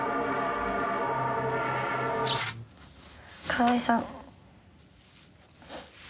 河合さん。